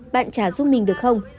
bạn trả giúp mình được không